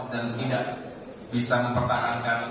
tidak bisa mempertahankan